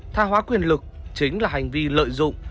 tha hóa quyền lực chính là hành vi lợi dụng